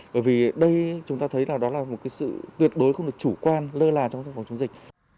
bởi vì đây chúng ta thấy là đó là một cái sự tuyệt đối không được chủ quan lơ là trong phòng chống dịch